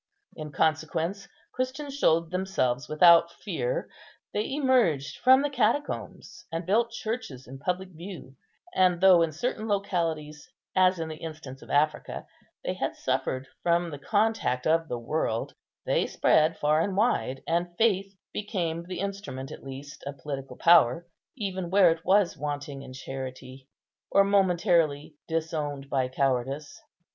In consequence, Christians showed themselves without fear; they emerged from the catacombs, and built churches in public view; and, though in certain localities, as in the instance of Africa, they had suffered from the contact of the world, they spread far and wide, and faith became the instrument at least of political power, even where it was wanting in charity, or momentarily disowned by cowardice.